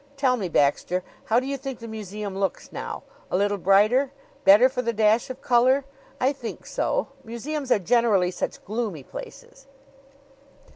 Tell me, Baxter, how do you think the museum looks now? A little brighter? Better for the dash of color? I think so. Museums are generally such gloomy places."